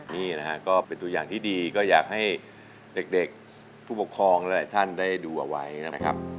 นี่นะฮะก็เป็นตัวอย่างที่ดีก็อยากให้เด็กผู้ปกครองหลายท่านได้ดูเอาไว้นะครับ